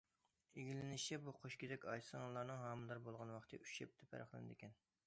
ئىگىلىنىشىچە، بۇ قوشكېزەك ئاچا- سىڭىللارنىڭ ھامىلىدار بولغان ۋاقتى ئۈچ ھەپتە پەرقلىنىدىكەن.